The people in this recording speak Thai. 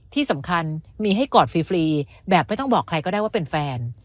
ที่สำคัญมีให้กอดฟรีแบบไม่ต้องบอกใครก็ได้ว่าเป็นแฟน